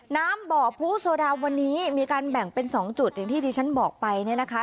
น้ำบ่อผู้โซดาวันนี้มีการแบ่งเป็น๒จุดอย่างที่ที่ฉันบอกไปเนี่ยนะคะ